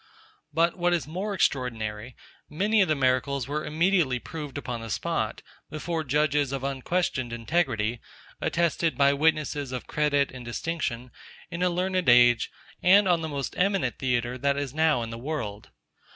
But what is more extraordinary; many of the miracles were immediately proved upon the spot, before judges of unquestioned integrity, attested by witnesses of credit and distinction, in a learned age, and on the most eminent theatre that is now in the world.